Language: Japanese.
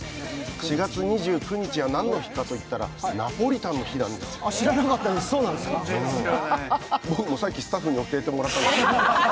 この日は何の日かといったら、ナポリタンの日なんです、僕もさっきスタッフに教えてもらったんです。